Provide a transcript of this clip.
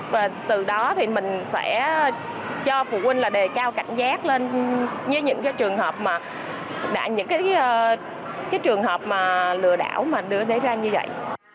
và từ đó thì mình sẽ cho phụ huynh là đề cao cảnh giác lên như những cái trường hợp mà lừa đảo mà đưa ra như vậy